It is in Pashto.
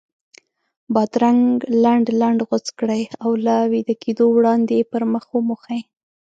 بادرنګ لنډ لنډ غوڅ کړئ او له ویده کېدو وړاندې یې پر مخ وموښئ.